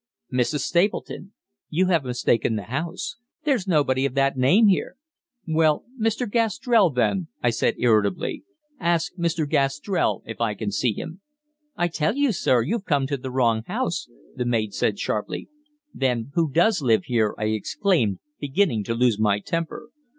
"Mrs. Stapleton." "You have mistaken the house. There's nobody of that name here." "Well, Mr. Gastrell, then," I said irritably. "Ask Mr. Gastrell if I can see him." "I tell you, sir, you've come to the wrong house," the maid said sharply. "Then who does live here?" I exclaimed, beginning to lose my temper.